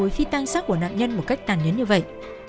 phi tan sát của nạn nhân một cách tàn nhấn như vậy